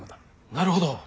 なるほど。